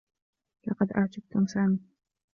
لقد أعجبتم سامي.